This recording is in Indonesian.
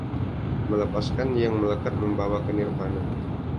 Melepaskan yang melekat membawa ke Nirvana.